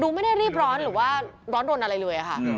ไม่ได้รีบร้อนหรือว่าร้อนรนอะไรเลยค่ะ